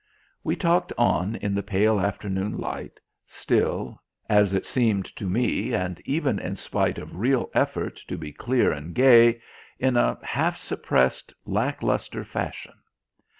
We talked on in the pale afternoon light, still, as it seemed to me, and even in spite of real effort to be clear and gay, in a half suppressed, lack lustre fashion.